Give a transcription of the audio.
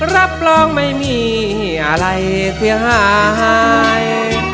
รับรองไม่มีอะไรเสียหาย